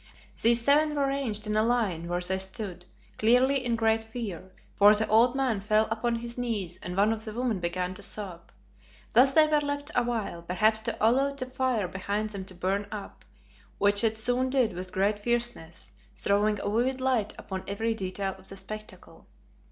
These seven were ranged in a line where they stood, clearly in great fear, for the old man fell upon his knees and one of the women began to sob. Thus they were left awhile, perhaps to allow the fire behind them to burn up, which it soon did with great fierceness, throwing a vivid light upon every detail of the spectacle.